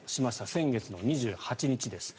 先月の２８日です。